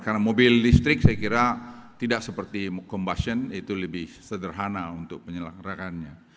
karena mobil listrik saya kira tidak seperti combustion itu lebih sederhana untuk penyelenggaraannya